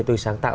tôi sáng tạo